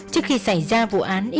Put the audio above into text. trước khi xảy ra vụ án